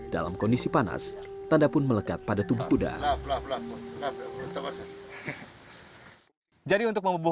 kalau tinggi maksimum setiga dua